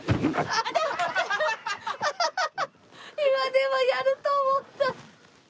今でもやると思った！